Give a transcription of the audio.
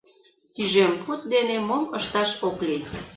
Тӱжем пуд дене мом ышташ ок лий!